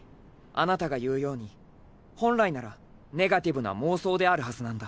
あなたが言うように本来ならネガティブな妄想であるはずなんだ。